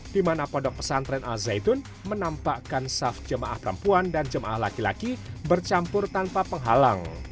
di mana pondok pesantren al zaitun menampakkan saf jemaah perempuan dan jemaah laki laki bercampur tanpa penghalang